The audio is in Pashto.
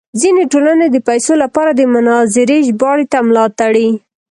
ځینې ټولنې د پیسو لپاره د مناظرې ژباړې ته ملا تړي.